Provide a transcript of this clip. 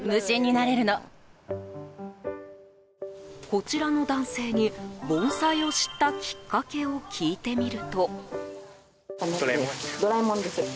こちらの男性に、盆栽を知ったきっかけを聞いてみると。